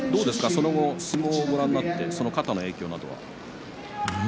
その後、相撲をご覧になって肩の影響などは。